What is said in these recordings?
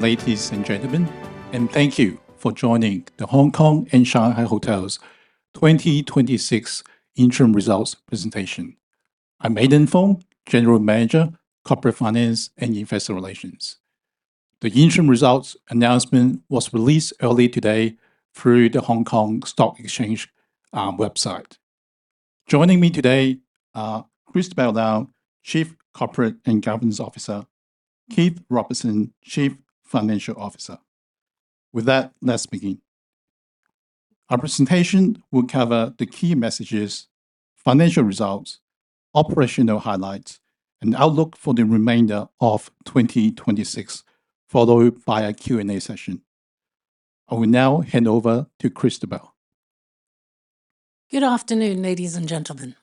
Thank you for joining The Hongkong and Shanghai Hotels 2026 interim results presentation. I'm Aiden Fung, General Manager, Corporate Finance and Investor Relations. The interim results announcement was released early today through the Hong Kong Stock Exchange website. Joining me today are Christobelle Liao, Chief Corporate and Governance Officer, Keith Robertson, Chief Financial Officer. With that, let's begin. Our presentation will cover the key messages, financial results, operational highlights, and outlook for the remainder of 2026, followed by a Q&A session. I will now hand over to Christobelle. Good afternoon, ladies and gentlemen.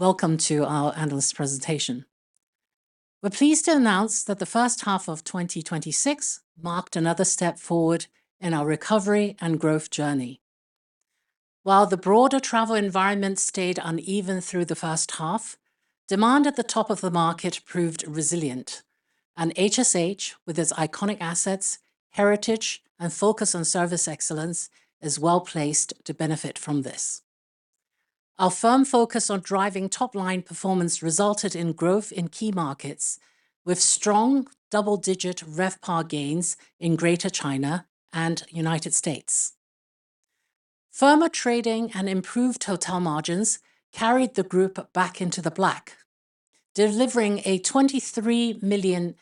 Welcome to our analyst presentation. We're pleased to announce that the first half of 2026 marked another step forward in our recovery and growth journey. While the broader travel environment stayed uneven through the first half, demand at the top of the market proved resilient, and HSH, with its iconic assets, heritage, and focus on service excellence, is well-placed to benefit from this. Our firm focus on driving top-line performance resulted in growth in key markets, with strong double-digit RevPAR gains in Greater China and the United States. Firmer trading and improved hotel margins carried the group back into the black, delivering a 23 million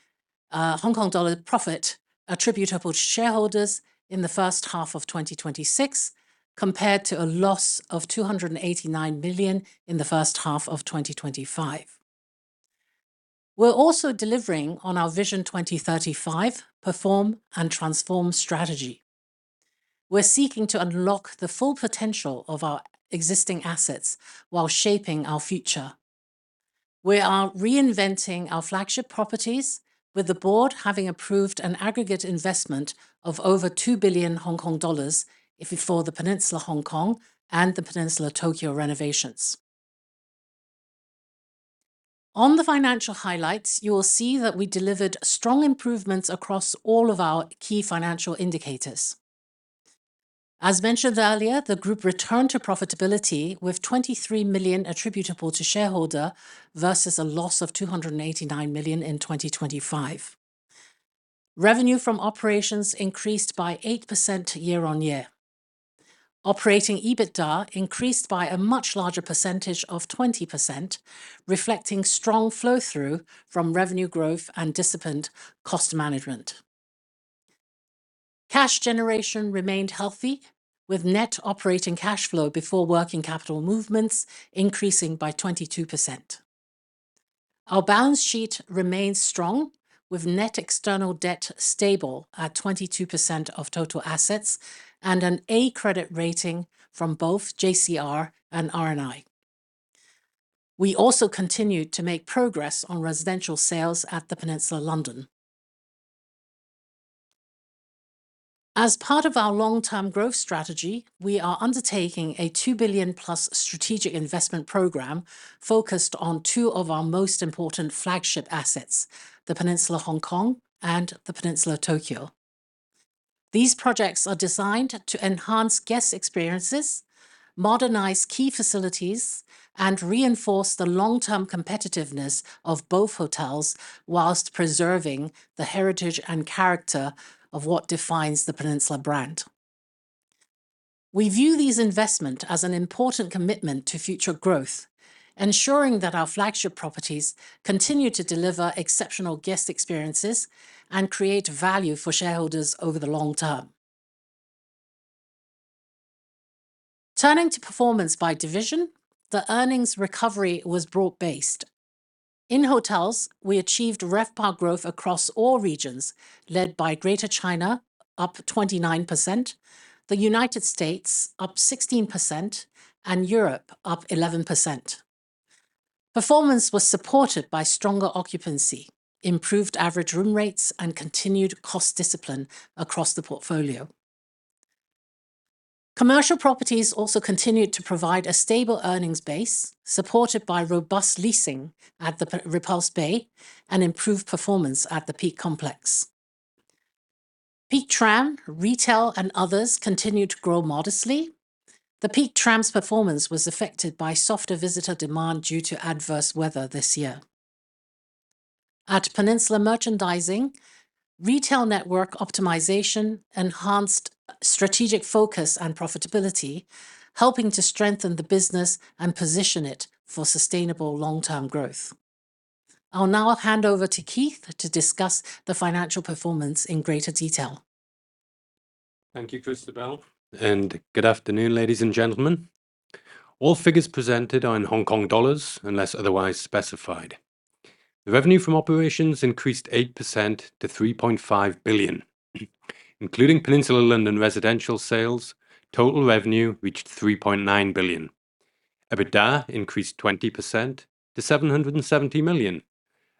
Hong Kong dollar profit attributable to shareholders in the first half of 2026, compared to a loss of 289 million in the first half of 2025. We're also delivering on our Vision 2035: Perform and Transform strategy. We're seeking to unlock the full potential of our existing assets while shaping our future. We are reinventing our flagship properties, with the Board having approved an aggregate investment of over 2 billion Hong Kong dollars for The Peninsula Hong Kong and The Peninsula Tokyo renovations. On the financial highlights, you will see that we delivered strong improvements across all of our key financial indicators. As mentioned earlier, the group returned to profitability with 23 million attributable to shareholder versus a loss of 289 million in 2025. Revenue from operations increased by 8% year-on-year. Operating EBITDA increased by a much larger percentage of 20%, reflecting strong flow-through from revenue growth and disciplined cost management. Cash generation remained healthy, with net operating cash flow before working capital movements increasing by 22%. Our balance sheet remains strong, with net external debt stable at 22% of total assets and an A credit rating from both JCR and R&I. We also continued to make progress on residential sales at The Peninsula London. As part of our long-term growth strategy, we are undertaking a 2 billion+ strategic investment program focused on two of our most important flagship assets, The Peninsula Hong Kong and The Peninsula Tokyo. These projects are designed to enhance guest experiences, modernize key facilities, and reinforce the long-term competitiveness of both hotels whilst preserving the heritage and character of what defines The Peninsula brand. We view these investments as an important commitment to future growth, ensuring that our flagship properties continue to deliver exceptional guest experiences and create value for shareholders over the long term. Turning to performance by division, the earnings recovery was broad-based. In hotels, we achieved RevPAR growth across all regions, led by Greater China, up 29%, the United States, up 16%, and Europe, up 11%. Performance was supported by stronger occupancy, improved average room rates, and continued cost discipline across the portfolio. Commercial properties also continued to provide a stable earnings base, supported by robust leasing at The Repulse Bay and improved performance at The Peak Complex. Tram, Retail, and Others continued to grow modestly. The Peak Tram's performance was affected by softer visitor demand due to adverse weather this year. At Peninsula Merchandising, retail network optimization enhanced strategic focus and profitability, helping to strengthen the business and position it for sustainable long-term growth. I will now hand over to Keith to discuss the financial performance in greater detail. Thank you, Christobelle, and good afternoon, ladies and gentlemen. All figures presented are in Hong Kong dollars unless otherwise specified. The revenue from operations increased 8% to 3.5 billion. Including The Peninsula London residential sales, total revenue reached 3.9 billion. EBITDA increased 20% to 770 million,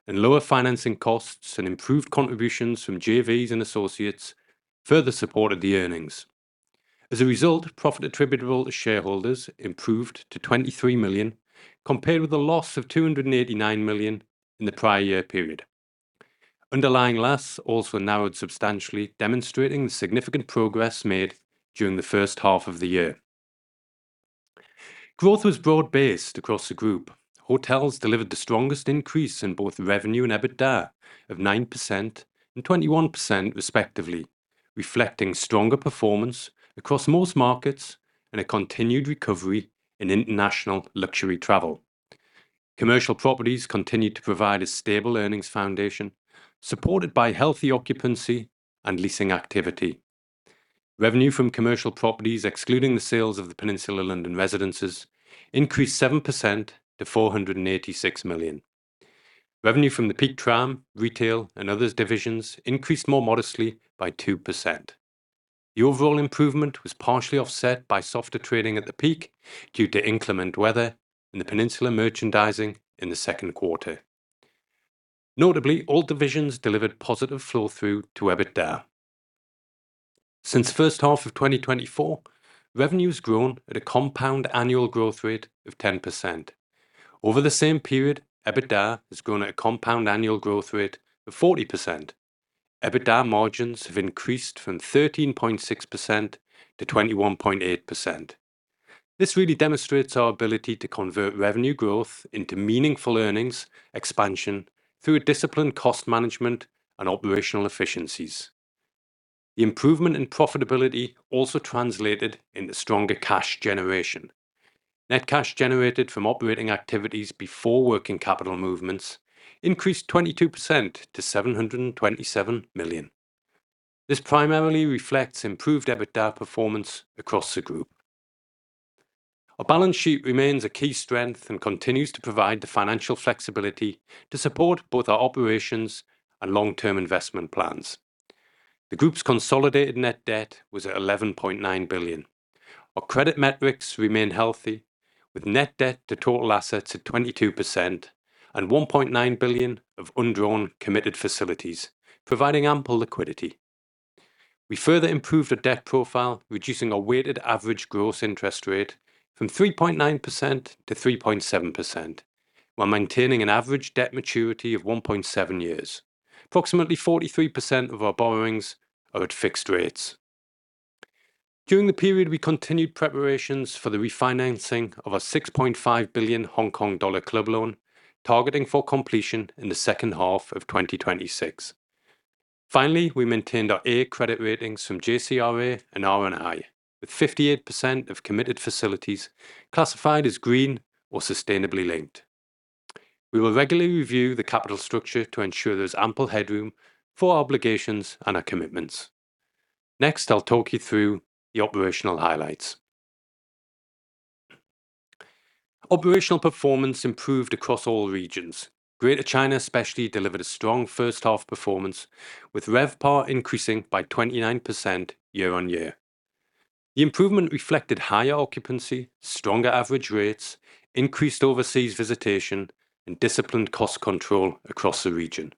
and lower financing costs and improved contributions from JVs and associates further supported the earnings. As a result, profit attributable to shareholders improved to 23 million, compared with a loss of 289 million in the prior year period. Underlying loss also narrowed substantially, demonstrating the significant progress made during the first half of the year. Growth was broad-based across the group. Hotels delivered the strongest increase in both revenue and EBITDA of 9% and 21% respectively, reflecting stronger performance across most markets and a continued recovery in international luxury travel. Commercial properties continued to provide a stable earnings foundation, supported by healthy occupancy and leasing activity. Revenue from commercial properties, excluding the sales of The Peninsula London Residences, increased 7% to 486 million. Revenue from The Peak Tram, Retail, and Others divisions increased more modestly by 2%. The overall improvement was partially offset by softer trading at The Peak due to inclement weather and Peninsula Merchandising in the second quarter. Notably, all divisions delivered positive flow-through to EBITDA. Since the first half of 2024, revenue has grown at a compound annual growth rate of 10%. Over the same period, EBITDA has grown at a compound annual growth rate of 40%. EBITDA margins have increased from 13.6% to 21.8%. This really demonstrates our ability to convert revenue growth into meaningful earnings expansion through disciplined cost management and operational efficiencies. The improvement in profitability also translated into stronger cash generation. Net cash generated from operating activities before working capital movements increased 22% to 727 million. This primarily reflects improved EBITDA performance across the group. Our balance sheet remains a key strength and continues to provide the financial flexibility to support both our operations and long-term investment plans. The group's consolidated net debt was at 11.9 billion. Our credit metrics remain healthy, with net debt-to-total assets at 22% and 1.9 billion of undrawn committed facilities, providing ample liquidity. We further improved our debt profile, reducing our weighted average gross interest rate from 3.9% to 3.7% while maintaining an average debt maturity of 1.7 years. Approximately 43% of our borrowings are at fixed rates. During the period, we continued preparations for the refinancing of our 6.5 billion Hong Kong dollar club loan, targeting for completion in the second half of 2026. Finally, we maintained our A credit ratings from JCR and R&I with 58% of committed facilities classified as green or sustainability-linked. We will regularly review the capital structure to ensure there's ample headroom for obligations and our commitments. Next, I'll talk you through the operational highlights. Operational performance improved across all regions. Greater China especially delivered a strong first-half performance with RevPAR increasing by 29% year-on-year. The improvement reflected higher occupancy, stronger average rates, increased overseas visitation, and disciplined cost control across the region.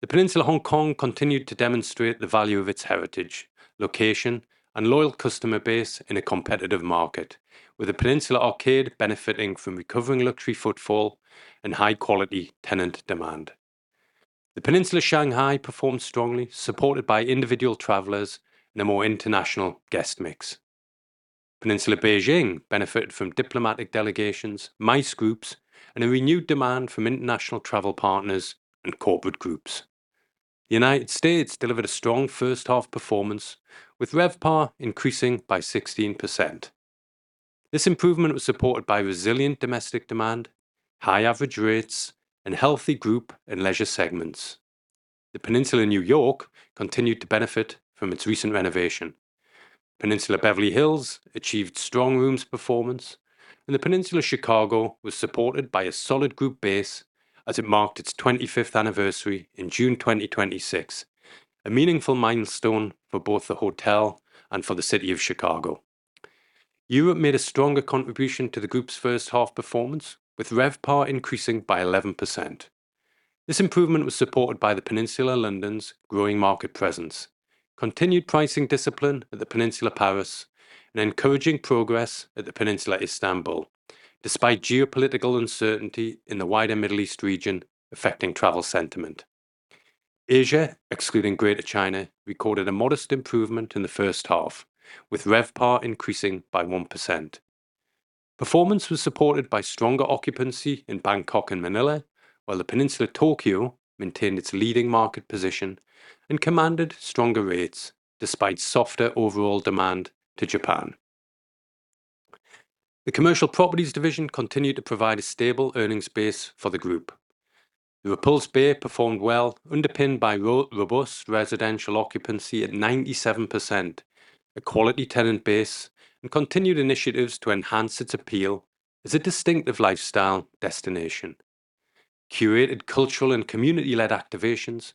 The Peninsula Hong Kong continued to demonstrate the value of its heritage, location, and loyal customer base in a competitive market, with the Peninsula Arcade benefiting from recovering luxury footfall and high-quality tenant demand. The Peninsula Shanghai performed strongly, supported by individual travelers and a more international guest mix. The Peninsula Beijing benefited from diplomatic delegations, MICE groups, and a renewed demand from international travel partners and corporate groups. United States delivered a strong first-half performance with RevPAR increasing by 16%. This improvement was supported by resilient domestic demand, high average rates, and healthy group and leisure segments. The Peninsula New York continued to benefit from its recent renovation. The Peninsula Beverly Hills achieved strong rooms performance, and The Peninsula Chicago was supported by a solid group base as it marked its 25th anniversary in June 2026, a meaningful milestone for both the hotel and for the city of Chicago. Europe made a stronger contribution to the group's first-half performance, with RevPAR increasing by 11%. This improvement was supported by The Peninsula London's growing market presence, continued pricing discipline at The Peninsula Paris, and encouraging progress at The Peninsula Istanbul, despite geopolitical uncertainty in the wider Middle East region affecting travel sentiment. Asia, excluding Greater China, recorded a modest improvement in the first-half, with RevPAR increasing by 1%. Performance was supported by stronger occupancy in Bangkok and Manila, while The Peninsula Tokyo maintained its leading market position and commanded stronger rates despite softer overall demand to Japan. The Commercial Properties division continued to provide a stable earnings base for the group. The Repulse Bay performed well, underpinned by robust residential occupancy at 97%, a quality tenant base, and continued initiatives to enhance its appeal as a distinctive lifestyle destination. Curated cultural and community-led activations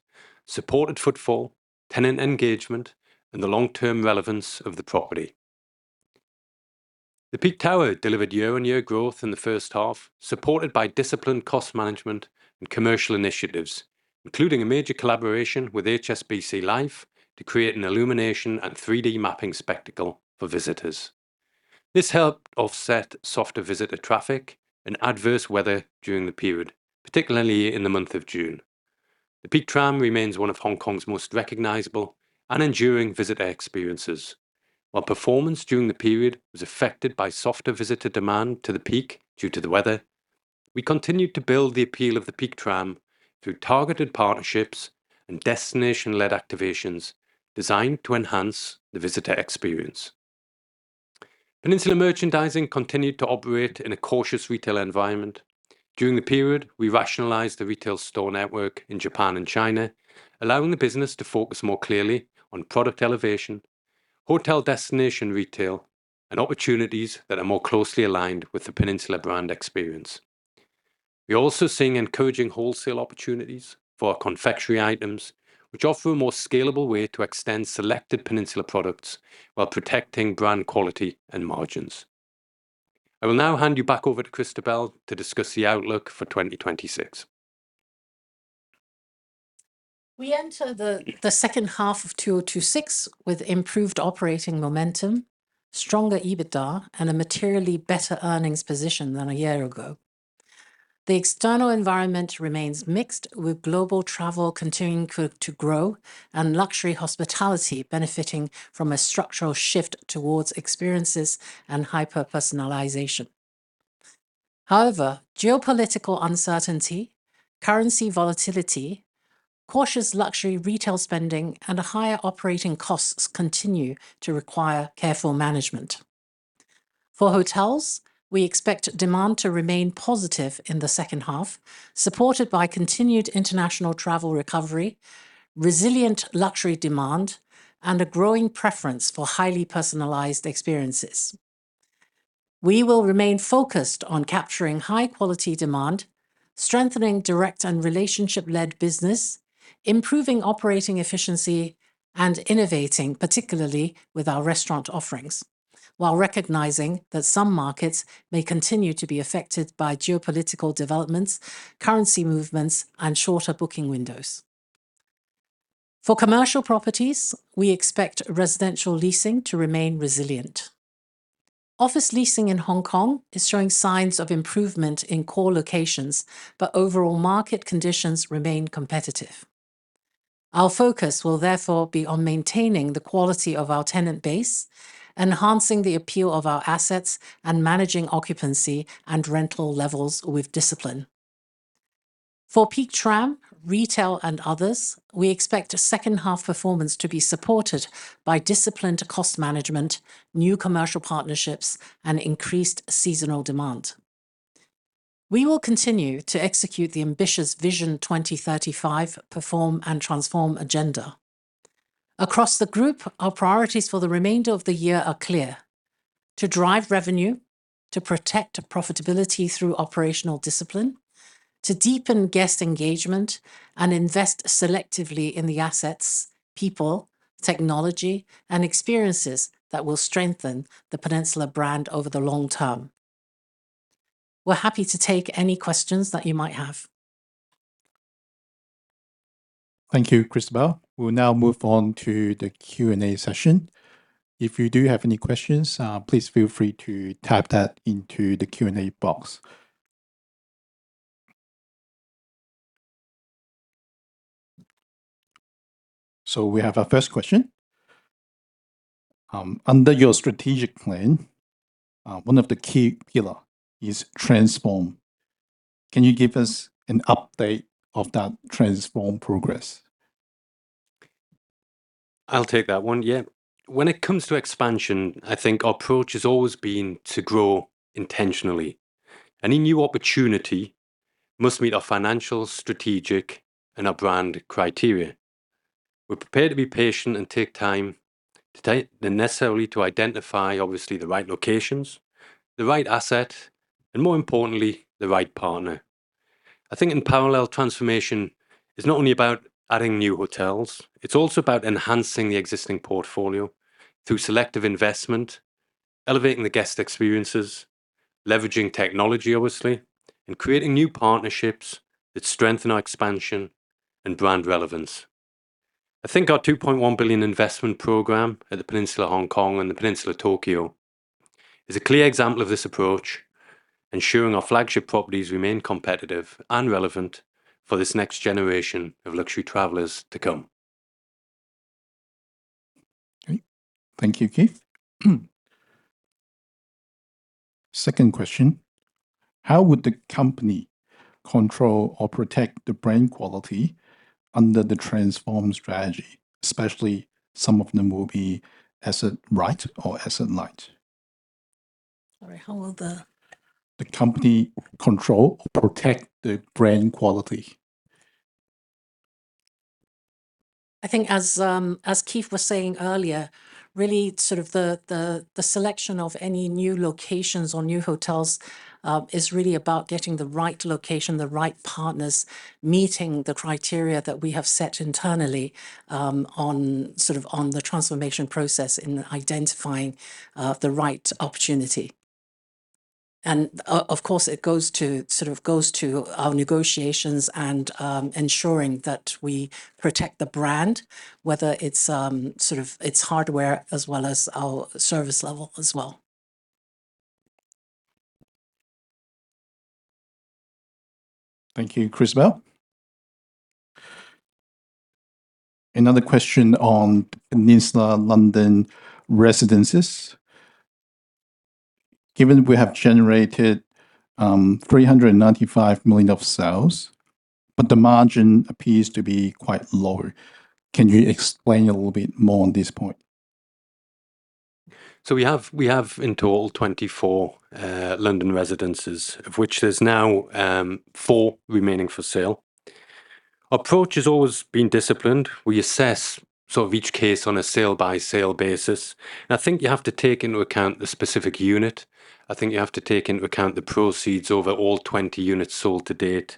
supported footfall, tenant engagement, and the long-term relevance of the property. The Peak Tower delivered year-on-year growth in the first-half, supported by disciplined cost management and commercial initiatives, including a major collaboration with HSBC Life to create an illumination and 3D mapping spectacle for visitors. This helped offset softer visitor traffic and adverse weather during the period, particularly in the month of June. The Peak Tram remains one of Hong Kong's most recognizable and enduring visitor experiences. While performance during the period was affected by softer visitor demand to The Peak due to the weather, we continued to build the appeal of The Peak Tram through targeted partnerships and destination-led activations designed to enhance the visitor experience. Peninsula Merchandising continued to operate in a cautious retail environment. During the period, we rationalized the retail store network in Japan and China, allowing the business to focus more clearly on product elevation, hotel destination retail, and opportunities that are more closely aligned with the Peninsula brand experience. We are also seeing encouraging wholesale opportunities for our confectionery items, which offer a more scalable way to extend selected Peninsula products while protecting brand quality and margins. I will now hand you back over to Christobelle to discuss the outlook for 2026. We enter the second half of 2026 with improved operating momentum, stronger EBITDA, and a materially better earnings position than a year ago. The external environment remains mixed, with global travel continuing to grow and luxury hospitality benefiting from a structural shift towards experiences and hyper-personalization. However, geopolitical uncertainty, currency volatility, cautious luxury retail spending, and higher operating costs continue to require careful management. For hotels, we expect demand to remain positive in the second half, supported by continued international travel recovery, resilient luxury demand, and a growing preference for highly personalized experiences. We will remain focused on capturing high-quality demand, strengthening direct and relationship-led business, improving operating efficiency, and innovating, particularly with our restaurant offerings, while recognizing that some markets may continue to be affected by geopolitical developments, currency movements, and shorter booking windows. For commercial properties, we expect residential leasing to remain resilient. Office leasing in Hong Kong is showing signs of improvement in core locations, overall market conditions remain competitive. Our focus will therefore be on maintaining the quality of our tenant base, enhancing the appeal of our assets, and managing occupancy and rental levels with discipline. For The Peak Tram, retail, and others, we expect second half performance to be supported by disciplined cost management, new commercial partnerships, and increased seasonal demand. We will continue to execute the ambitious Vision 2035: Perform and Transform agenda. Across the group, our priorities for the remainder of the year are clear: to drive revenue, to protect profitability through operational discipline, to deepen guest engagement, and invest selectively in the assets, people, technology, and experiences that will strengthen the Peninsula brand over the long term. We are happy to take any questions that you might have. Thank you, Christobelle. We will now move on to the Q&A session. If you do have any questions, please feel free to type that into the Q&A box. We have our first question. Under your strategic plan, one of the key pillars is Transform. Can you give us an update of that Transform progress? I'll take that one. Yeah. When it comes to expansion, I think our approach has always been to grow intentionally. Any new opportunity must meet our financial, strategic, and our brand criteria. We're prepared to be patient and take time, necessarily to identify, obviously, the right locations, the right asset, and more importantly, the right partner. I think in parallel, transformation is not only about adding new hotels, it's also about enhancing the existing portfolio through selective investment, elevating the guest experiences, leveraging technology, obviously, and creating new partnerships that strengthen our expansion and brand relevance. I think our 2.1 billion investment program at The Peninsula Hong Kong and The Peninsula Tokyo is a clear example of this approach, ensuring our flagship properties remain competitive and relevant for this next-generation of luxury travelers to come. Okay. Thank you, Keith. Second question. How would the company control or protect the brand quality under the transform strategy? Especially some of them will be asset-right or asset-light. Sorry, how will the The company control or protect the brand quality. I think as Keith was saying earlier, really the selection of any new locations or new hotels is really about getting the right location, the right partners, meeting the criteria that we have set internally on the transformation process in identifying the right opportunity. Of course, it goes to our negotiations and ensuring that we protect the brand, whether it's hardware as well as our service level as well. Thank you, Christobelle. Another question on The Peninsula London Residences. Given we have generated 395 million of sales, the margin appears to be quite low, can you explain a little bit more on this point? We have in total 24 London residences, of which there's now four remaining for sale. Our approach has always been disciplined. We assess each case on a sale-by-sale basis, and I think you have to take into account the specific unit. I think you have to take into account the proceeds over all 20 units sold to date,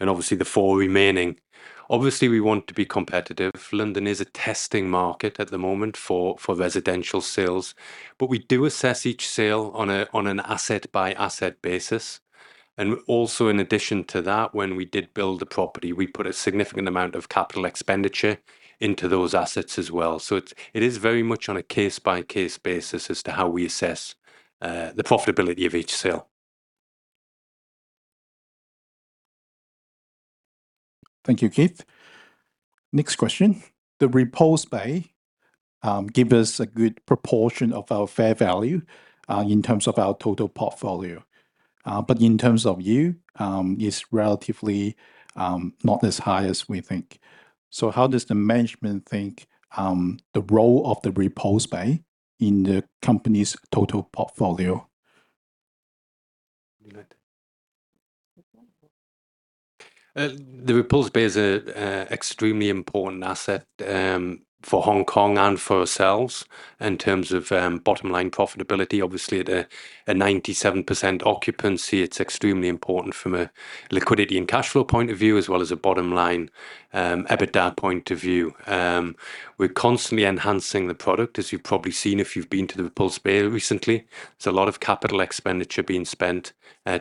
and obviously the four remaining. Obviously, we want to be competitive. London is a testing market at the moment for residential sales. We do assess each sale on an asset-by-asset basis. Also, in addition to that, when we did build the property, we put a significant amount of capital expenditure into those assets as well. It is very much on a case-by-case basis as to how we assess the profitability of each sale. Thank you, Keith. Next question. The Repulse Bay give us a good proportion of our fair value in terms of our total portfolio. In terms of you, it's relatively not as high as we think. How does the management think the role of The Repulse Bay in the company's total portfolio? The Repulse Bay is an extremely important asset for Hong Kong and for ourselves in terms of bottom-line profitability. Obviously, at a 97% occupancy, it's extremely important from a liquidity and cash flow point of view, as well as a bottom-line EBITDA point of view. We're constantly enhancing the product, as you've probably seen if you've been to The Repulse Bay recently. There's a lot of capital expenditure being spent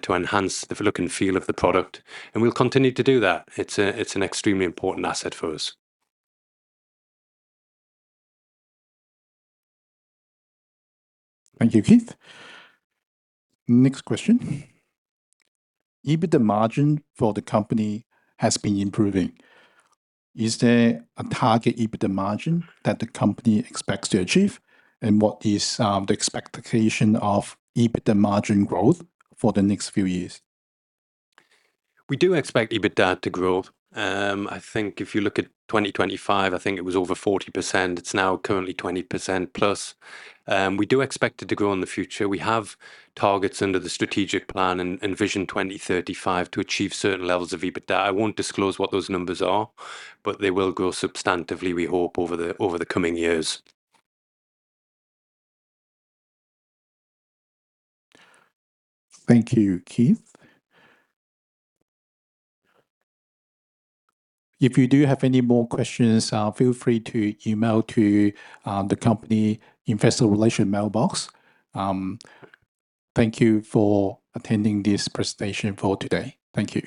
to enhance the look and feel of the product, and we'll continue to do that. It's an extremely important asset for us. Thank you, Keith. Next question. EBITDA margin for the company has been improving. Is there a target EBITDA margin that the company expects to achieve? What is the expectation of EBITDA margin growth for the next few years? We do expect EBITDA to grow. I think if you look at 2025, I think it was over 40%. It's now currently 20%+. We do expect it to grow in the future. We have targets under the strategic plan and Vision 2035 to achieve certain levels of EBITDA. I won't disclose what those numbers are, but they will grow substantively, we hope, over the coming years. Thank you, Keith. If you do have any more questions, feel free to email the company Investor Relation mailbox. Thank you for attending this presentation for today. Thank you